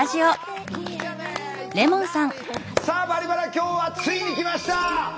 さあ「バリバラ」今日はついに来ました。